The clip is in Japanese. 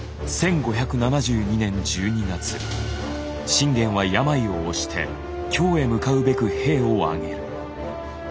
信玄は病をおして京へ向かうべく兵を挙げる。